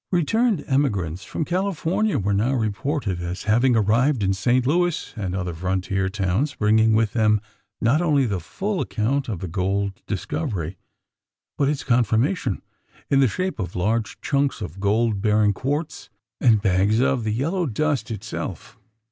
Returned emigrants from California were now reported, as having arrived in Saint Louis and other frontier towns bringing with them, not only the full account of the gold discovery, but its confirmation, in the shape of large "chunks" of gold bearing quartz, and bags of the yellow dust itself.